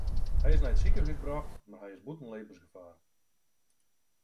Hy is nei it sikehús brocht mar hy is bûten libbensgefaar.